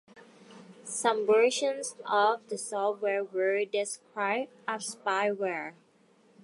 Some versions of the software were described as spyware.